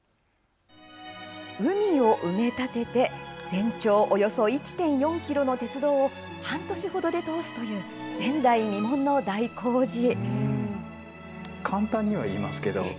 海を埋め立てて、全長およそ１．４キロの鉄道を半年ほどで通すという前代未聞の大工事。